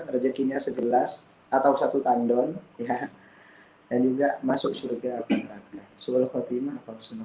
rezekinya segelas atau satu tandon ya dan juga masuk surga apa merata suwala khatimah